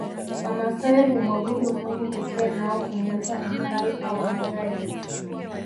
Wamasai humwabudu Mungu pekee nao humwita Enkai au Engai